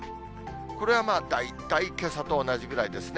これはまあ、大体けさと同じぐらいですね。